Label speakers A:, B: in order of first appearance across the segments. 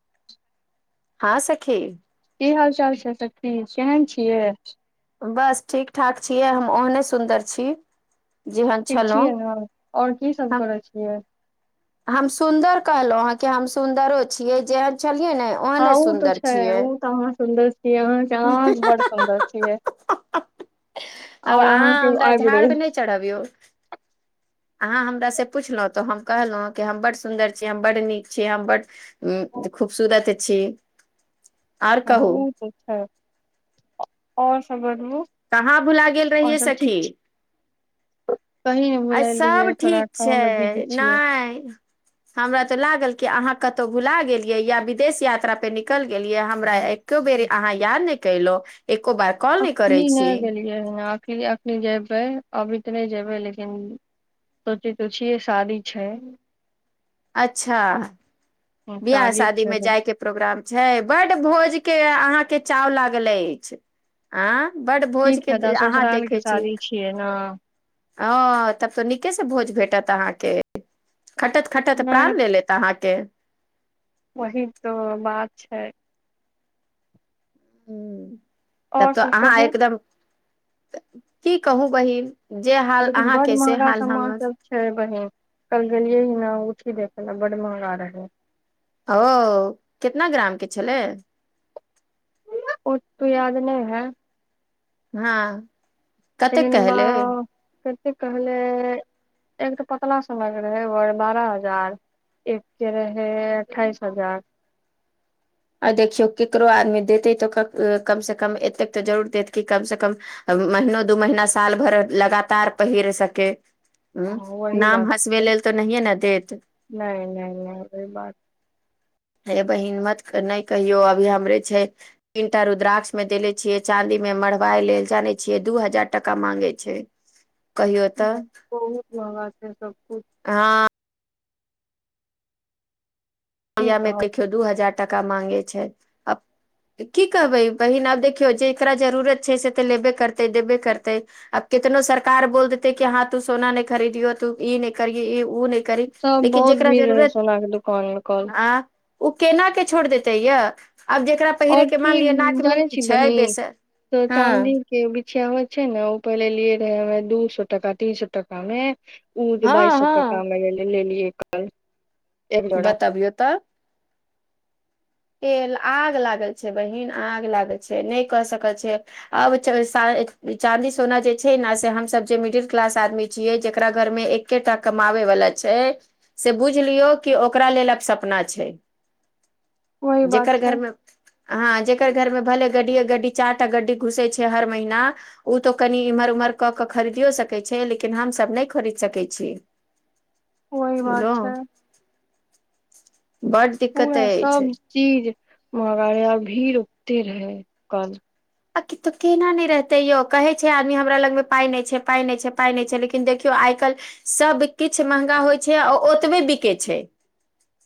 A: [inaudible]
B: हाँ सखी
A: की हाल चाल छै सखी केहन छीयै
B: बस ठीक ठाक छियै हम ओहने सुन्दर छी जेहन
A: ठीक
B: छलहुँ
A: छियै ने ओर कीसब
B: हम
A: करै छियै
B: हम सुन्दर कहलहु अहाँ के हम सुन्दरो छियै जेहन छल
A: हाँ उ तऽ छै उ तऽ अहाँ सुन्दर छियै अहाँके आवाज बड़ सुन्दर छीयै [inaudible]
B: आब अहाँ हमरा झाड़ पर नहि चढ़बियौ अहाँ हमरासे पुछलहुँ तऽ हम कहलहुँ कि हम बड्ड सुन्दर छी हम बड्ड नीक छी हम बड्ड खूब सुरत छी आओर
A: ह
B: कहू
A: ओ तऽ छै ओर सब बताबू
B: कहाँ भुला गेल
A: और
B: रहियै
A: सब ठीक
B: सखि
A: छै कहीं ने
B: आ सब
A: बुलेलियै थोड़ा
B: ठीक
A: काम
B: छै
A: मे बिजी छियै
B: नयि हमरा तऽ लागल कि अहाँ कतहु भुला गेलियै या विदेश यात्रा पे निकल गेलियै हमरा एको बेरी अहाँ याद नहि कलो एको बार कॉल न
A: अखनी
B: करै
A: नहि
B: छी
A: गेलियै ह अख अखनी जेबै अभी तऽ नहि जेबै लेकिन सोचै तो छियै शादी छै
B: अच्छा बियाह शादी
A: छै
B: मे
A: तऽ
B: जायके प्रोग्राम छै बड भोज के अहाँके चाव लागल अछि आ बड
A: की
B: भोज
A: फायदा
B: के अहाँ
A: ससुराल के
B: देखै छी
A: शादी छियै ने
B: ह तब तो नीके से भोज भेट त अहके खटत खटत
A: नहि
B: प्राण लै लेत अहाँके
A: वही तऽ बात छै
B: ह तब
A: और
B: तऽ
A: सब
B: अहाँ
A: कहू
B: एकदम की कहू बहिन जे हाल
A: लेकिन बड
B: अहाँके से
A: महगा
B: हाल
A: सामान
B: हमर
A: सब छै बहिन कल गेलियै ही ने उठी दे प बड़ महगा रह
B: ओ केतना ग्रामके छलय
A: ओ त याद नहि है
B: हँ कतेक
A: तनमे
B: कहले
A: कथी कहले। एक तऽ पतला समग रहै बारह हजार एक के रह अठाइस हजार
B: आ देखियौ केकरो आदमी देते तऽ कम से कम एतेक तऽ जरूर देत कि कम से कम महनो दू महीना साल भर लगातार पहिर सकय
A: हाँ,
B: ह
A: वही बात
B: नाम हँसबै
A: छलै
B: लेल तऽ नहिए नए देत
A: नहि नहि नहि ओ बात
B: हे ब्मत नहि कहियो अभी हमरे छै तीनटा रुद्राक्ष में देले छियै चाँदी मे मरबाइ लेल जाने छियै दू हजार टका मांगे छै कहियो तऽ
A: बहुत मगा छै सबकुछ
B: हँ
A: की
B: मियामे
A: कहब
B: देखियौ दू हजार टाका माँंगे छै की कहबै बहिन आब देखियौ जेकरा जरूरत छै से तऽ लेबय करतै देबे करतै आ कितनो सरकार बोल देतै कि हँ तू सोना नहि खरीदियो तू ई नहि करियऔ ई ओ नहि करी
A: सब
B: लेकिन
A: बहुत
B: जेकरा
A: भीड़ रहे
B: जरूरत
A: सोना के दुकान मे कल
B: आँ ओ केन के छोड़ि देतै यए आब जकरा
A: और
B: पहिरेके मान
A: की
B: लियअ नाकमे
A: जाने
B: नहि
A: छी
B: छै बेस हँ
A: चावल छै ने ओ पहिले लिए रहे ह दू सए टका तीन सए टका मे ओ जे बाइस
B: हँ
A: सए
B: हँ
A: टकामे लेलियै कल
B: बतबियौ तऽब के आग लागल छै बहिन आग लागल छै नहि क सकल छै आब छै चादी सोना जे छै ने से हम सब जे मिडिल क्लास आदमी छिये जेकरा घर में एकेटा कमावे वला छै से बुझ लियौ कि ओकरा लेल आ सपना छै
A: वही बात
B: जकर
A: छै
B: घरमे हँ जेकर घरमे भले गड्डीए गड्डी चार टा गड्डी घुसे छै हर महीना तो कनि इम्हर इमर कऽ के खरीदियो सकै छै लेकिन हम सब नहि खरीद सकैत छीय
A: वही बात छै
B: बड
A: पूरा
B: दिक्कतइ
A: सब
B: अछि
A: चीज मगड़े भी रुकते रहै कल
B: आक तो केना नहि रहते यौ कहे छै आदमी हमरा लग मे पााय नहि छै पााय नहि छै पााय नहि छै लेकिन देखियौ आइ काल्हि सब किछु महंगा होइ छै आ ओतबे बिके छै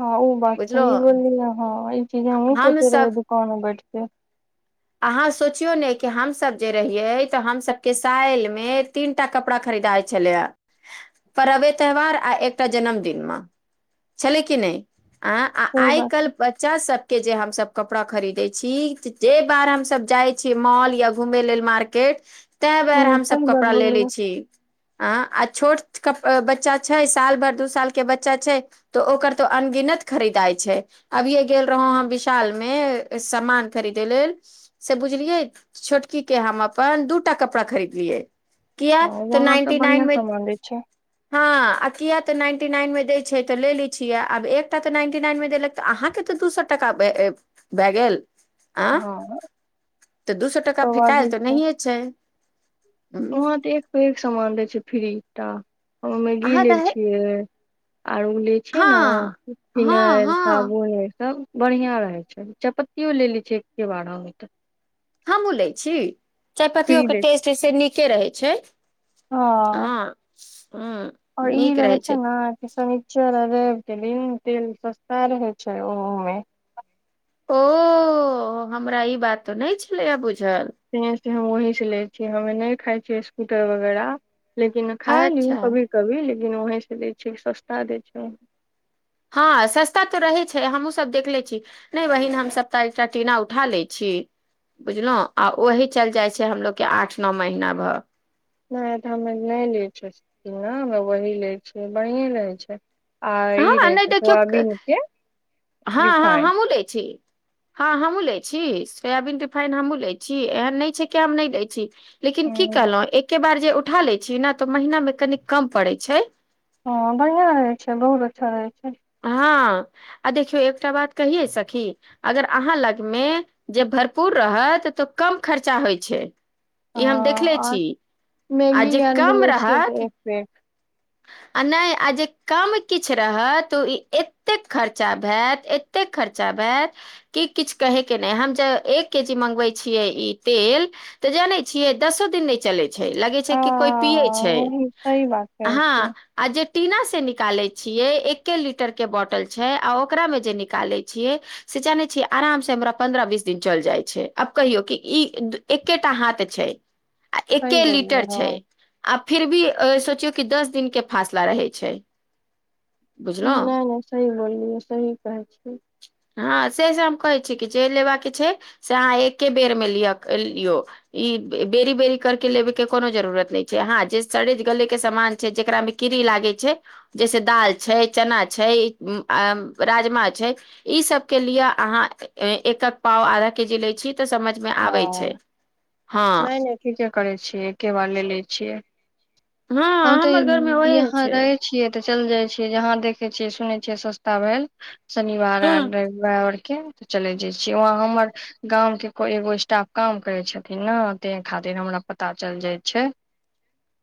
A: हँ ओ बात सही
B: बुझलहु
A: बोलीऐ हँ ई चीज हम सोचे रहे
B: हमसभ
A: दुकान बैठ ठीक
B: अहाँ सोचियौ ने कि हमसभ जे रहियै तऽ हमसभके साइल मे तीनटा कपड़ा खरीद रीदाय छलैे परवे त्यौहार आ एकटा जन्मदिन मे छलय कि नहि अ आ
A: सही
B: आइ
A: बात
B: कल् बच्चा सब के जे हमस कपड़ा खरीदे छी जे बार हमस जाइ छीयै मॉल या घूमै लेल मार्केट तें बेर
A: हूँ
B: हमसभ
A: सही बात
B: कपड़ा ले ले
A: बोललियै
B: छी अ आ छोट बच्चा छै साल भर दू साल के बच्चा छै तऽ ओकर तऽ अनगिनत खरीदाइ छै अभियएे गेल रहौ ह विशाल मे सामान खरीदय लेल से बुझलियै छोटकी के हम अपन दूटा कपड़ा खरीदलियै किया
A: हँ
B: तऽ
A: वहाँ
B: नाइन्टी नाइन
A: बढ़िया
B: मे
A: सामान दै छै
B: हँ आ किया त नाइन्टी टी नाइन मे दै छै तऽ ले लै छियै आब एकटा तऽ नाइन्टी नाइन मे देलक तऽ अहाँके तऽ दू सै टाका भेय गेल आँ
A: हँ
B: तऽ दू सै टका
A: सब वाजिब
B: फेकायल तऽ नहिए छै हूँ,
A: वहाँ त एक प एक सामान दै छै फ्री टा हम मैगी
B: अहाँ
A: लेल
B: रहे
A: छियै आर उ ले छै न
B: हँ हँ
A: फिनैल
B: हँ
A: साबुन ई सब बढ़िया रहै छै चायपत्तियो ले ले छै एकके बार म हम तऽ
B: हमहु लै छी
A: फ्री
B: चायपत्तियोके
A: दै छै
B: टेस्टइ से नीके रहै छै
A: हँ
B: हँ ह
A: और ई
B: नीक
A: रहे
B: रहै
A: छै न कि शनिचर रैब के दिन तेल सस्ता रहे छै ओहोमे
B: ओ हमरा ई बात तऽ नय छलैए बुझल
A: से से हम वही से लै छिये हमे नय खाइ छियै बीसकूट वगैरह लेकिन खाए लियू
B: अच्छा
A: कभी कभी लेकिन बहिसँ दै छैय सस्ता दै छै ऊ
B: हँ सस्ता तऽ रहे छै हमहुँ सब देखले छी नइ बहिन हम सभ त एकटा टीना उठा लइ छी बुझलहु आ ओही चइल जाइ छै हमलोग के आठ नो महीना भर
A: नहि तऽ हमे नइ लै छियै से वही लै छियै बढ़िएँ रहै छै आ ई
B: हँ
A: रहे
B: नहि
A: छै
B: देखियौ
A: सोयाबीन के
B: हँ हँ
A: रिफाइन
B: हम लैय छी हँ हमहूँ लै छी सोयाबीन रिफाइन हमहूँ लै छी एहन नइ छै कि हम नय लै छी लेकिन की कहलहुँ एके बार जे उठा लै छी न तऽ महीनामे कनी कम पड़ै छै
A: ह बढ़िया रहै छै बहुत अच्छा रहै छै
B: हँ आ देखियौ एकटा बात कहिए सखी अगर अहाँ लग मे जे भरपूर रहत तऽ कम खर्चा होइ छै
A: आ
B: ई हम देखले
A: आ
B: छी आ जे
A: मैगी आर भी
B: कम
A: ले छियै
B: रहत
A: तऽ एक प्लेट
B: आ नहि आ जे कम किछु रहत ओ ई एतेक खर्चा भेत एतेक खर्चा भेत की किछ कहै नइ हम जे एक केजी मांगबाई छियै इ तेल जाने छियै दसो दिन नय चले लगै छै
A: आ
B: कि कोइ पियै छै
A: वही सही बात कहै छियै
B: हँ आ जे टीना से निकालै छियै एके लीटर के बॉटल छै आ ओकरा मे जे निकाले छियै से जाने छियै आराम से हमरा पन्द्रह बीस दिन चल जाइ छै आब कहियौ कि ई एकेटा हाथ छै आ
A: सही
B: एके लीटर
A: बोललियै
B: छै
A: हँ
B: आ फिर भी सोच कि दस दिन के फासला रहै छै बुझलहुँ
A: नइ नय सही बोललियै सही कहै छियै
B: हँ से से हम कहे छी कि जे लेबाके छै से अहाँ एके बेर मे लिय लियो इ बेरी बेरी करके लेबे के कोनो जरूरत नहि छै हँं जे सड़े गले के सामान छै जेकरा मे कीड़ी ला लागे छै जैसे दाल छै चना छै राजमा छै इ सब के लिए आहाँ एक हक पाव आधा के जी लइ छी तऽ समझ मे आबै छै
A: ह
B: हँ
A: नय नय ठीक करै छियै एके बार ले लैय छियै
B: हँ
A: हम तऽ
B: हमर घर मे ओहे
A: यहाँ
B: छै
A: रहै छियै ते चल जाय छीयै जहा देखे छीये सुने छीये सस्ता भेल शनिवार
B: हँ
A: आर रविवार के चले जाइ छीयैे वहाँ हमर गाम के कोइ एगो स्टाफ काम करै छथिन न ताहि खातिर हमरा पता चल जाइत छै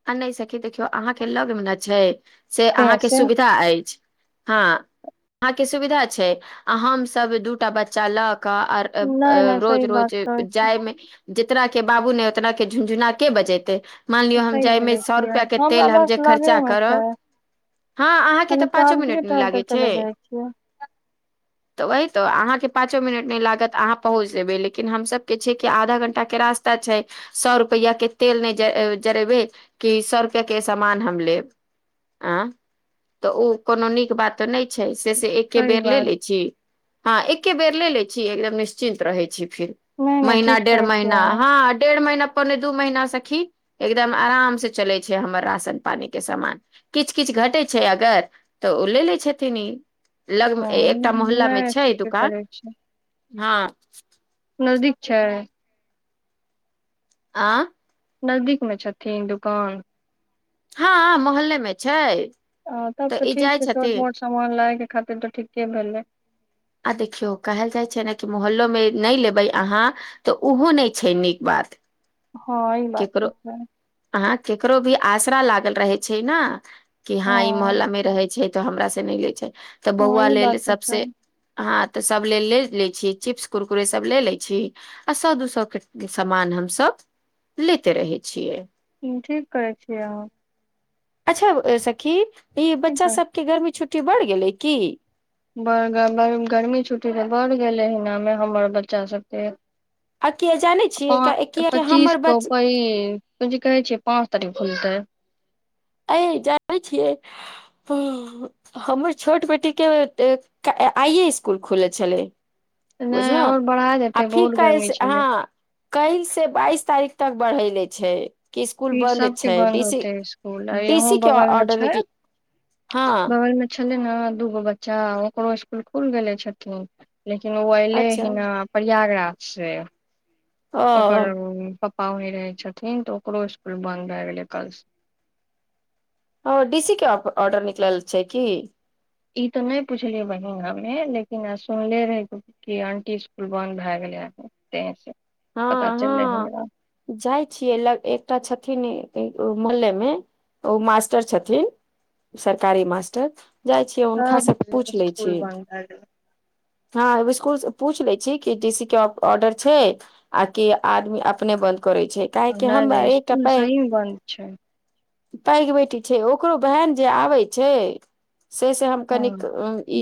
B: आ नय सखी देखियौ अहाँके लगमे ने छै से
A: तें
B: अहाँके
A: से
B: सुविधा अछि हँ अहाँके सुविधा छै आ हमसभ दूटा बच्चा ल कऽ आ
A: नहि नहि सही
B: रोज
A: बात
B: रोज
A: कहै
B: जायमे जितना के बाबू नै ओतना के झुनझुना के बजेते मान लियो हम
A: सही
B: जाइमे
A: बोलै
B: सौ
A: छियै
B: रुपैया के
A: हमरा
B: तेल हम
A: बस
B: जे खर्चा
A: लगेमे छै
B: करब हँ अहाँके तऽ
A: हमे
B: पाँचो
A: टहलते
B: मिनट नय
A: टहलते
B: लागै छै
A: चले जाइ छियै
B: तऽ वही तो अहाँके पाँचो मिनट नय लागत अहाँ पहुँच जेबै लेकिन हमसभ के छै कि आधा घंटा के रास्ता छै सौ रुपैया के तेल नइ जरेबै कि सौ रुपआ के सामान हम लेब आँ तऽ ओ कोनो नीक बात नहि छै से से एके
A: सही
B: बेर ले
A: बात
B: लेइ छी हँ एके बेर ले लेइ छी एकदम निश्चिन्त रहै छी फिर
A: नहि नहि
B: महिना
A: ठीक
B: डेढ़
A: कहै छियै
B: महीना
A: अहाँ
B: ह डेढ़ महीना पने दू महिना सखी एगदम आराम से चलै छै हमर राशन पानी के सामान किछ किछ घटै छै अगर तऽ ओ ले लै छथिन ई लग म
A: हँ
B: एकटा मोहल्ला मे
A: नहि
B: छै
A: ठीके
B: दुकान
A: करै छियै
B: हँ
A: नजदीक छै
B: आ
A: नजदीक मे छथिन दुकान
B: हँ मोहल्ले मे छै
A: आ तब तऽ
B: ई
A: ठीक
B: जाइ
A: छै छोट
B: छथिन
A: मोट सामान लायके खातिर तऽ ठीके भेलै
B: आ देखियौ कहल जाइ छै ने कि मोहल्लो मे नइ लेबै अहाँ तऽ ओहो नय छै नीक बात [unintelligible]
A: हँ ई बात तऽ
B: केकरो
A: छै
B: अहाँ केकरो भी आसरा लागल रहे छै न कि हँ ई मोहल्ला मे रहै छै त हमरा से नइ लै छै तऽ
A: हँ
B: बौआ
A: ई
B: लेल
A: बात तऽ
B: सबसे
A: छै
B: ह तऽ सभ ले लै छी चिप्स कुरकुरे सभ ले लै छी आ सौ दू सौ के सामान हमसभ लेते रहै छियै
A: ठीक करै छियै अहाँ
B: अच्छा सखी ई
A: ठीक
B: बच्चा
A: है।
B: सभके गर्मी छुट्टी बढ़ गेलै की
A: बड़ ब गर्मी छुट्टी तऽ बढ़ गेलै हनामे हमर बच्चा सभके
B: आ किया जय
A: प पच्चीस क क ई कुनचिज कहे छै पाँच तारीख खुलतै
B: ऐ जानै छियै हमर छोट बेटी के आइ ए स्कूल खुल छलै
A: नहि
B: बुझलहु
A: और बढ़ा
B: अ
A: देते
B: फी
A: बहुत
B: कल
A: गर्मी
B: से
A: छलै
B: हँ कल से बाइस तारिख तक बढ़ेले छै कि स्कुल
A: फिर
B: बन्द
A: सबके
B: छै
A: बंद
B: डीसी
A: होतइ स्कूल त इहो
B: डीसी के
A: बगल मे
B: ऑर्डर
A: छै
B: निकल हँ
A: बगल मे छै छलै ने दूगो बच्चा ओकरो स्कुल खुल गेले छथिन लेकिन ओ अयलै
B: अच्छा
A: हि ना प्रयागराज से
B: ओ
A: ओकर प पाहुने रहै छथिन तऽ ओकरो स्कूल बंन्द भए गेलै कलसँ
B: ओ डी सी के ऑर्डर निकलल छै कि
A: ई ते नहि पुछलियै बहिन हमे लेकिन सुनले रहे की आंटी स्कूल बंद भए गेल [unintelligible]
B: हँ हँ जाइ छियै ल एकटा छथिन मोहल्ले मे ओ मास्टर छथिन सरकारी मास्टर जाइ छियै हुनका
A: सब
B: से पूछ लै
A: स्कूल
B: छी
A: बन्द भए
B: ह स्कूल से पूछ ले छी कि डि सी के ऑर्डर छै आ कि आदमी अपने बंद करै छै
A: गेलै
B: काहे
A: नहि
B: हम
A: नहि
B: एकटा
A: स्कूल
B: पै
A: सही मे बन्द छै
B: पैघ बेटी छै ओकरो बहैन जे आबै छै से से हम
A: हँ
B: कनिक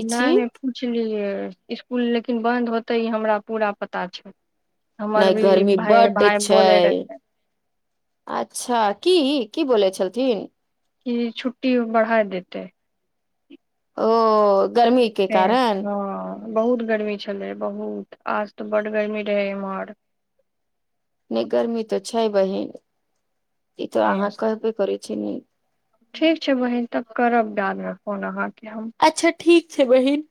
B: ई छी
A: नहि पुछलियै स्कूल लेकिन बन्द होतै ई हमरा पूरा पता छै हमर
B: नहि
A: भी
B: गर्मी
A: भाय
B: बड्ड
A: भाय
B: छै
A: बोले रहे
B: अच्छा की की बोलै छलथिन
A: कि छुट्टी बढ़ाइ देतेै
B: ओ गर्मी के
A: तें से
B: कारण
A: हँ बहुत गर्मी छलै बहुत आज तऽ बड्ड गर्मी रहै एम्हर
B: नहि गर्मी तऽ छै बहिन ई तो
A: तें
B: अहाँ
A: से
B: कहबे करै छी ने
A: फन अहाँके हम
B: अच्छा ठीक छै बहिन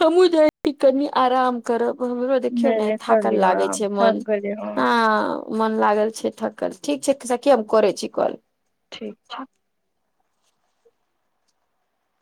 B: हमहुँ जाइ छी कनि आराम करब हमरो देखियौ
A: नहि
B: ने
A: नहि कर
B: थाकल
A: लियौ
B: लागै
A: आराम
B: छै मन
A: थक गेलियै हम
B: आ मन लागल छै थकल ठीक छै सखी हम करै छी कॉल
A: ठीक छै